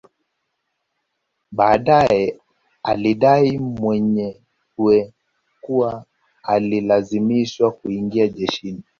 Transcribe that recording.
Baadae alidai mwenyewe kuwa alilazimishwa kuingia jeshini